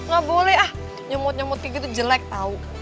gak boleh ah nyemut nyemut kayak gitu jelek tahu